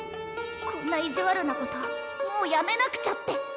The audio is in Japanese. こんな意地悪なこともうやめなくちゃって！